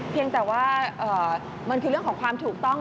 เพียงแต่ว่ามันคือเรื่องของความถูกต้อง